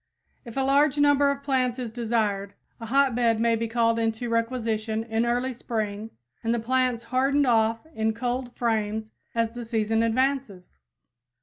If a large number of plants is desired, a hotbed may be called into requisition in early spring and the plants hardened off in cold frames as the season advances.